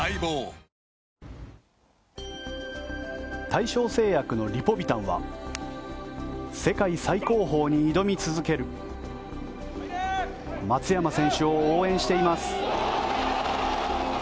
大正製薬のリポビタンは世界最高峰に挑み続ける松山選手を応援しています。